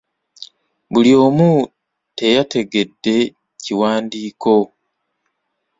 Buli omu teyategedde kiwandiiko.